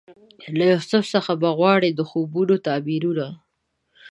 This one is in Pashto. له یوسف څخه به غواړم د خوبونو تعبیرونه